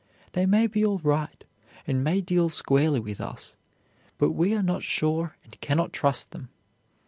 They may be all right, and may deal squarely with us, but we are not sure and can not trust them.